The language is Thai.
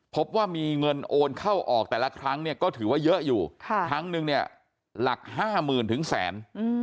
พบว่ามีเงินโอนเข้าออกแต่ละครั้งเนี่ยก็ถือว่าเยอะอยู่ครั้งนึงเนี่ยหลัก๕๐๐๐ถึงแสน